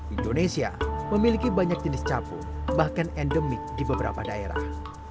indonesia memiliki banyak jenis capung bahkan endemik di beberapa daerah